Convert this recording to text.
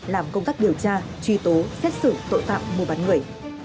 làm công tác điều tra truy tố xét xử tội phạm mua bán người